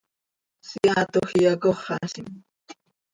Seaatoj iyacóxalim.